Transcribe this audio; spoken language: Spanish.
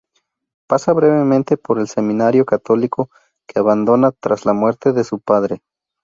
Pasa brevemente por el seminario católico, que abandona tras la muerte de su padre.